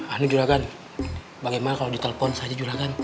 anu julagan bagaimana kalo ditelepon saja julagan